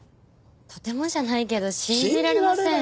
とてもじゃないけど信じられません。